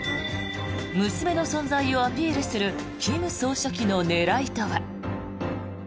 娘の存在をアピールする金総書記の狙いとは。